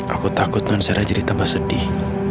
aku takut non sera jadi tambah sedih